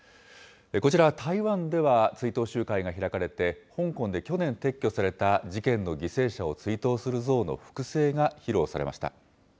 こちら、台湾では追悼集会が開かれて、香港で去年撤去された事件の犠牲者を追悼する像の複製が披露されました。